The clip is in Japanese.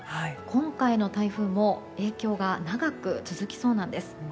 今回の台風も影響が長く続きそうなんです。